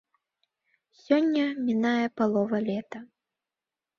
Сёння мінае палова лета.